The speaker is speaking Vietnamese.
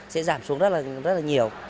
sẽ giảm xuống rất nhiều